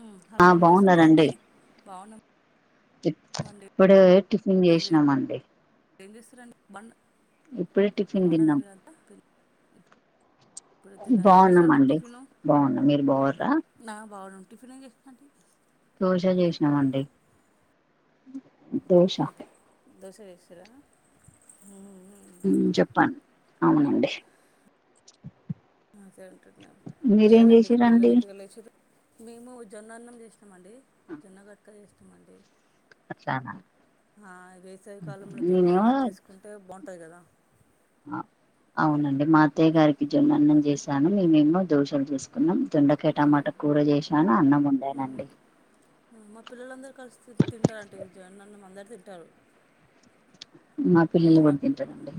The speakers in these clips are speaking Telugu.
ఉమ్ ఆ ఏం చేస్తున్న రండి బాగున్నారండి బాగున్నాం ఇప్పుడే టిఫిన్ చేసినాం అండి ఎం చేసున్నారండి బన్ ఇప్పుడే టిఫిన్ తిన్నాం పిల్ ఇప్పుడు తిన్నారా బాగున్నాం చేసారండి అండి టిఫిను బాగున్నాం మీరు బాగురా నా బాగున్నాం టిఫిన్ ఎం చేసిరు అంటి దోశ చూసిన్నాం అండి దోశ అంతే దోశ వేసిరా ఉమ్ ఉమ్ ఉమ్ చెప్పాను అవునండి ఆ సేయలి అంటున్నారు మీరేం వేయ్యాలండి పిల్లలు చేసిరండి ఇంటి కల్ల వచ్చిరు మేము జొన్న అన్నం చేసినామ అండి జొన్నగట్టక చేస్తామ అండి అట్లానా ఆ వేసవి కాలంలో నేనేమో జొన్నలు చేసుకుంటే బావుంట టాయి కదా అవునండి మా అత్తయ్య గారికి జొన్న అన్నం చేశాను మేమేమో దోశలు చేసుకున్నాం దొండకాయ ఆ టమాట కూర చేసాను అన్నం వండాను ఉహు అండి మా పిల్లలందరూ కలిసి తింటారుంటే జొన్న అన్నం అందరూ తింటారు మా పిల్లలు కూడా తింటారండి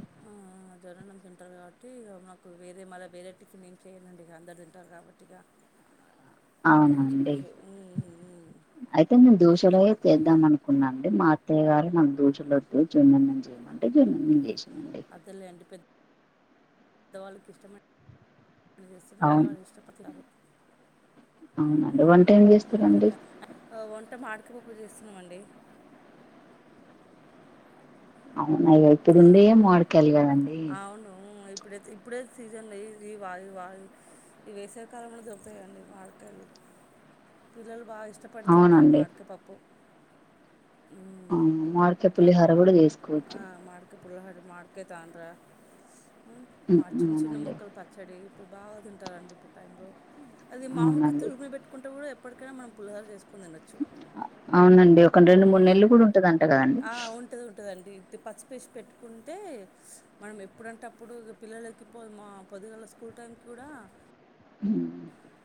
జొన్న అన్నం తింటారు కాబట్టి నాకు వేరే మళ్ళీ వేరే టిఫిన్ ఏం చేయనండి ఇక అందరు తింటారు కాబట్టి ఇక అట్లని అవునండి చెప్పేసి అయితే మేము అదే దోశలే చేద్దాం అనుకు న్నాను అండి మా అత్తయ్య గారు నాక దోశలు వద్దు జొన్న అన్నం చేయమంటే జొన్న అన్నం చేసా అదెలేండి పెద్ద పెద్దవాళ్ళకి ఇష్టమ ఒకళ్ళు చేస్తున్న ఒకరు అవును వళ్ళు ఇష్టపడతారు అవునండి వంట ఎం చేస్తారండి టమాటకాయ పప్పు చేస్తున్నాం అండి అవునా ఇప్పుడు ఉండేయే మామిడికాయలు గదండి అవును ఉమ్ ఇప్పుడే ఇప్పుడే సీజన్ ఈ వాయి వాయి ఈ వేసవి కాలంలోనే దొరుకుతాయి కదండి మా కాయలు పిల్లలు బాగా ఇష్టపడి తింటారు అవునండి మామిడికాయ పప్పు ఆవును మామిడికాయ చాలా పులిహర కూడా చేసుకోవచ్చు మామిడి కాయ తాండ్రా ఉమ్ మా చిన్న చిన్న ముక్కలు పచ్చడి ఇప్పుడు బాగా తింటారండి ఇప్పుడు టైంలో అది మామిడికాయ అవునండి తిరుపిన పెట్టుకుంటే కూడా ఎప్పటికైనా మనం పులిహార చేసుకని తినొచ్చు అవునండి ఒక రెండు మూడు నెలలు కూడ ఉంటదంట కదండి కుంటే మనం ఎప్పుడంటే అప్పుడు పిల్లలకి పో మా పొదిగాల స్కూల్ టైంకి కూడ హు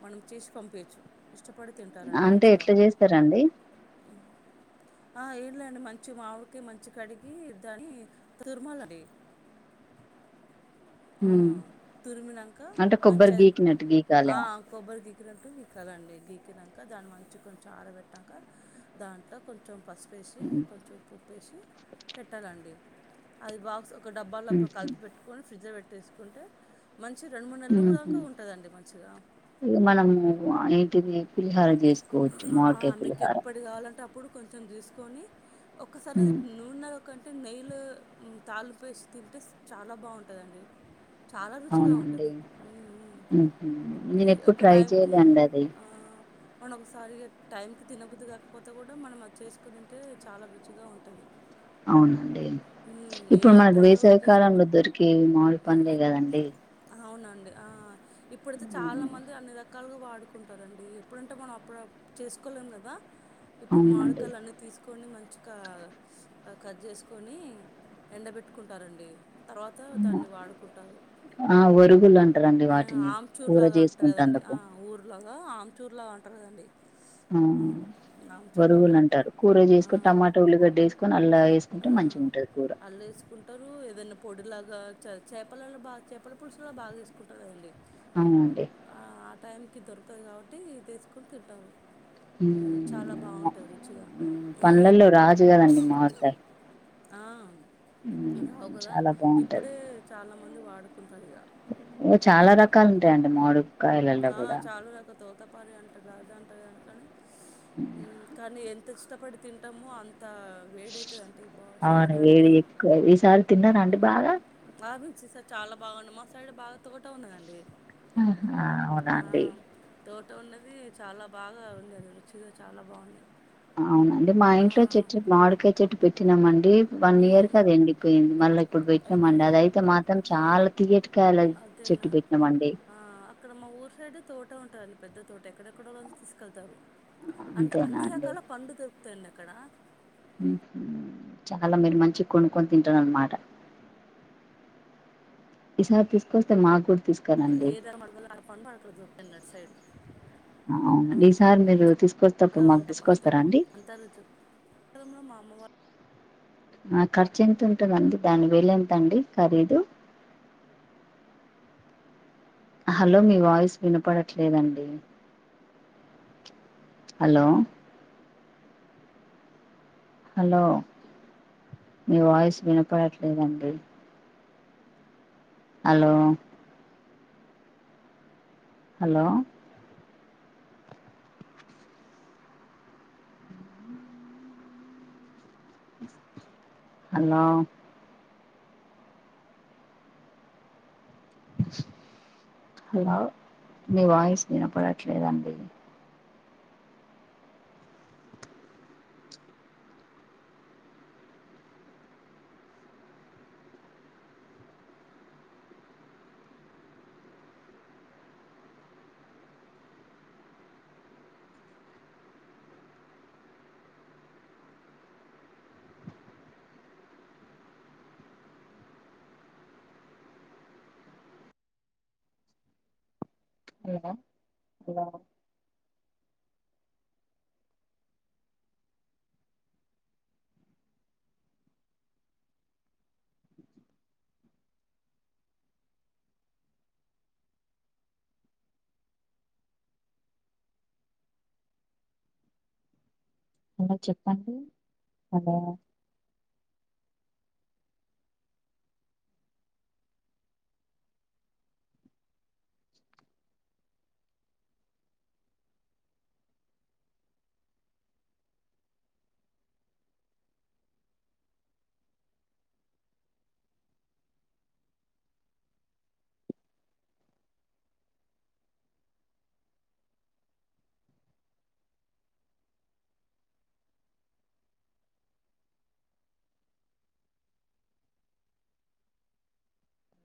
మనం చేసి పంపిచ్చు ఇష్టపడి తింటారండి అంటే మంచిగ ఎట్లా చేస్తారండి ఆ [unintelligible] అండి మంచి మామిడికి మంచి కడిగి దాని తుర్మలండి ఉమ్, తురిమినాక అంటే మంచి కొబ్బరి అది గీకినట్టు గీకాల ఆ కొబ్బరి గికినట్టు గీక్కాలండి గీకినాక దాన్ని మంచి కొంచెం ఆరబెట్టాక దాంట్లో కొంచెం పసు పసుపు వేసి కొంచం ఉప్పు వేసి పెట్టాలండి ఒక డబ్బాలో కలిపి పెట్టుకొని ఫ్రిడ్జ్లో పెట్టేసుకుంటే మంచి రెండు మూడు నెలలు మ్మ్ దాక హ్మ్ ఉంటదండి మంచిగా పూలిహోర చేసుకోచ్చు ఆ మామిడికాయ్ మీకు పూలిహోర ఎప్పుడు కావాలంటే అప్పుడు కొంచెం చూసుకొని ఒకసారి ఉమ్ నూనె [unintelligible] [unintelligible] అంటే నెయ్యి లో తాళుంపేసి తింటే చాల బాగుంటదండి చాల రుచిగ ఉంటది నేనెప్పుడూ ట్రై చేయలేదండి అది మల్ల ఒకసారిగా టైంకి తినబుద్ది కాకపోతే కూడా మనం అది చేసుకు తింటే చాల రుచిగా ఉంటుంది అవునండి ఏ ఇప్పుడు మనకు టైంలో కూడా చేసుకోవచ్చు వేసావికాలంలో దొరికేవి మామిడి పండ్లే కదండి అవునండి ఇప్పుడైతే చాలా ఉమ్ మంది అన్ని రకాలుగా వాడుకుంటారండి [unintelligible] అప్పుడు చేసుకోలేం కదా ఇప్పుడు మామిడి అవునండి కాయలు అన్ని తీసుకొని మ మంచిగా కట్ చేసుకొని ఎండబెట్టుకుంటారండి తర్వాత దాన్ని వాడుకుంటారు ఆ ఒరుగులు అంటారండి ఆ, వాటిని కూర చేసుకుంటే అందుకు ఆమ్చూర్ల అంటారుకదండీ ఆ ఒరువులు అంటారు కూర ఆ చేసుకొని టమాటా ఉల్లిగడ్డ వేసుకొని అల్లా వేసుకుంటే మంచి అళ్లు వేసుకుంటారు ఏదైనా పొడి లా చేపలలో బా చేపల పులుసుల బాగ వేసుకుంటారు కదండి అవునండి ఆ టైంకి దొరకదు కాబట్టి చేసుకొని తింటారు చాలా బాగుంటుంది రుచిగా పండ్లలో రాజు గాదండి మామిడికాయ్ రావు కదా చాలా బావుంటది. ఇప్పుడే చాల మంది వాడుకుంటారు ఇగ చాల రకాలు ఉంటాయండి మాడు ఆ చాలు రక తోతపరి అంటారు రాజా అంటారు అ కానీ ఎ ఇష్టపడి తింటామో అం అవును వేడి శరీరానికి ఎక్కువ ఈ సారి తిన్నారాండి బాగ ఆ మించి [unintelligible] చాలా బాగుండంది మా సైడ్ బాగా తోట ఉన్నాదండి ఆహ అవునా అండి [unintelligible] ఉన్నది చాలా బాగా ఉంది ఆండీ రుచిగా చాల బాగున్నాయ్ అవునండి మా ఇంట్లో చెట్టు మాడికాయ్ చెట్టు పెట్టినామండి వన్ ఇయర్ ఉమ్, కది ఎండిపోయింది మళ్ళీ ఇప్పుడు అదే పెట్టినామండి అది అయితే మాత్రం చాలా తియ్యాటి కాయా [unintelligible] అదేనా ఆ అక్కడ మా ఊరు సైడ్ తోట ఉంట పెద్ద తోట ఎక్కడెక్కడోలోంచి తీసుకెళ్తారు అంటే అంతేనా అన్ని అండి? రకాల పండు దొ దొరుకుతాయ్ అండి అక్కడ చాలా మీరు మంచిగా కొనుక్కొని తింటారు అన్నమాట ఈసారి తీసుకొస్తే మాకు తీసుకురండి. ఏదైన పండు అక్కడ దొరుకుతాయి అటు సైడ్ అవును ఆ ఈ సారి మీరు తీసుకొస్తేప్పుడు చక్కగా మాకు ఉంటా పండుతో తీసుకొస్తారా అండి ము నా ఖర్చు ఎంత ఉంటుందండి దాని వేల ఎంతండి ఖరీదు అ హలో మీ వాయిస్ వినపడట్లేదండి హలో హలో మీ వాయిస్ వినపడట్లేదండి హలో హలో హలో హలో మీ వాయిస్ వినపడట్లేదండి హలో హలో అ చెప్పండి హలో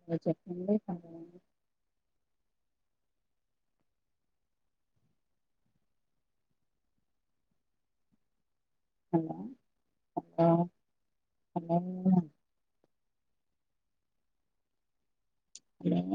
హలో చెప్పండి హలో హాలో హలో హలో